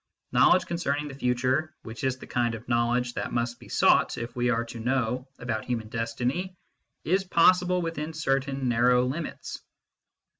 Knowledge concerning the future which is the kind of knowledge that must be sought if we are to know about human destiny is possible within certain narrow limits.